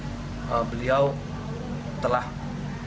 dan hari ini beliau telah berhubungan dengan korban